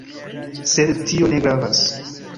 Sed tio ne gravas.